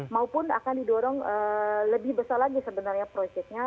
maupun akan didorong lebih besar lagi sebenarnya proyeknya